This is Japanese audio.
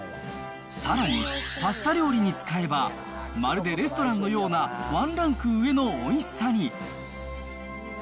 さらに、パスタ料理に使えば、まるでレストランのようなワンランク上のおいしさに。